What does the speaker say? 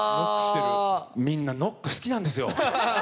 みんなノック、好きなんですよ。